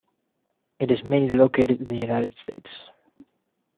It is mainly located in the United States.